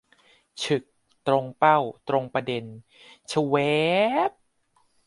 ฉึก ! ตรงเป้า ตรงประเด็น ชะแว้บบบบบ